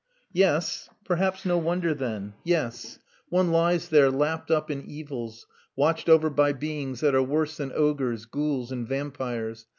"Yes. Perhaps no wonder, then. Yes. One lies there lapped up in evils, watched over by beings that are worse than ogres, ghouls, and vampires.